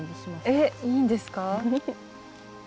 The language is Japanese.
えっいいんですか？